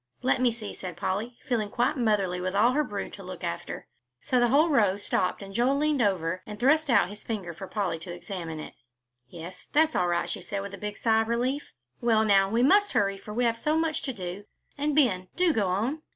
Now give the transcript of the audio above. "Let me see," said Polly, feeling quite motherly with all her brood to look after. So the whole row stopped and Joel leaned over and thrust out his finger for Polly to examine it. "Yes, that's all right," she said with a sigh of relief. "Well, now, we must hurry, for we have so much to do. And, Ben, do go on."